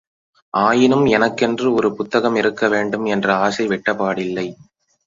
ஆயினும் எனக்கென்று ஒரு புத்தகம் இருக்க வேண்டும் என்ற ஆசைவிட்ட பாடில்லை.